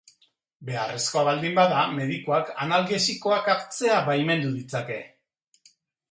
Beharrezkoa baldin bada medikuak analgesikoak hartzea baimendu ditzake.